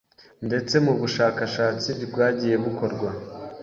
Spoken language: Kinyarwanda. ndetse mu bushakashatsi bwagiye bukorwa